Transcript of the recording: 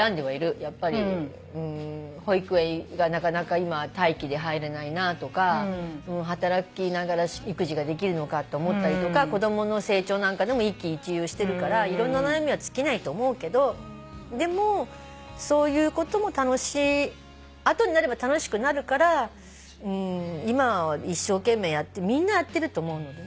やっぱり保育園がなかなか今待機で入れないなとか働きながら育児ができるのかと思ったりとか子供の成長なんかでも一喜一憂してるからいろんな悩みは尽きないと思うけどでもそういうことも楽しい後になれば楽しくなるから今一生懸命みんなやってると思うのでね。